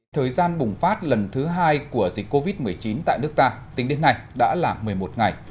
thời gian bùng phát lần thứ hai của dịch covid một mươi chín tại nước ta tính đến nay đã là một mươi một ngày